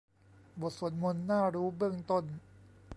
บทสวดมนต์น่ารู้เบื้องต้น